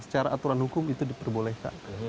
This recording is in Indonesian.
secara aturan hukum itu diperbolehkan